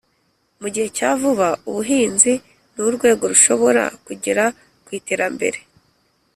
mu gihe cya vuba, ubuhinzi ni urwego rushobora kugera ku iterambere